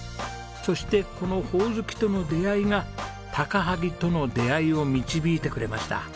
そしてこのホオズキとの出会いが高萩との出会いを導いてくれました。